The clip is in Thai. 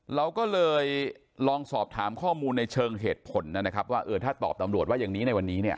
เราก็เลยลองสอบถามข้อมูลในเชิงเหตุผลนะครับว่าเออถ้าตอบตำรวจว่าอย่างนี้ในวันนี้เนี่ย